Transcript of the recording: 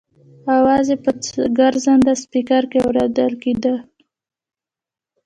اواز یې په ګرځنده سپېکر کې اورېدل کېده.